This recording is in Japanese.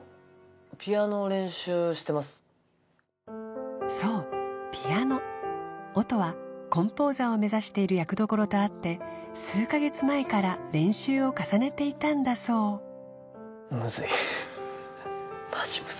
ピアノ練習してますそうピアノ音はコンポーザーを目指している役どころとあって数カ月前から練習を重ねていたんだそうムズいマジムズ